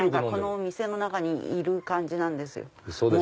この店の中にいるんですよ。